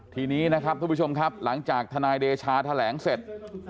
ทีนี้นะครับทุกผู้ชมครับหลังจากทนายเดชาแถลงเสร็จ